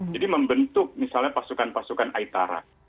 jadi membentuk misalnya pasukan pasukan aitara